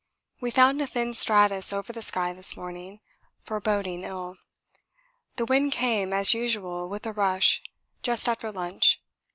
We found a thin stratus over the sky this morning, foreboding ill. The wind came, as usual with a rush, just after lunch.